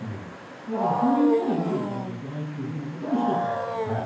だから、そういう目で見ていかなきゃいけないということの１つだと思います。